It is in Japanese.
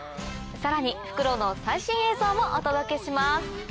さらにフクロウの最新映像もお届けします。